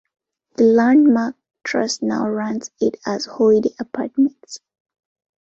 The Landmark Trust now runs it as holiday apartments.